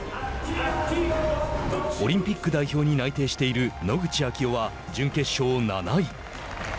オリンピック代表に内定している野口啓代は準決勝７位。